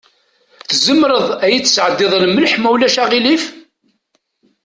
Tzemreḍ ad yi-d-tesɛeddiḍ lmelḥ, ma ulac aɣilif?